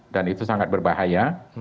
dan itu sangat berbahaya